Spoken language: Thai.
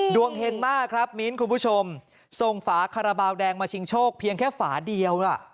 ดวงเห็นมากครับมีนคุณผู้ชมส่งฝาขระเปล่าแดงมาชิงโชคเพียงแค่ฝาเดียว